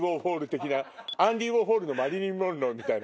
アンディ・ウォーホルの『マリリン・モンロー』みたいな。